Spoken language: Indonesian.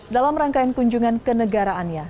dalam rangkaian kunjungan kenegaraannya